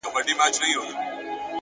• زه د بل له ښاره روانـېـږمـه؛